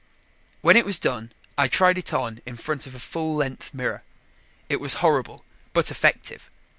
When it was done, I tried it on in front of a full length mirror. It was horrible but effective.